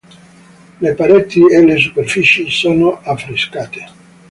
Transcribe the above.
Le pareti e le superfici sono affrescate.